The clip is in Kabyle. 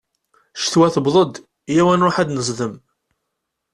Ccetwa tewweḍ-d, yaw ad nruḥ ad d-nezdem!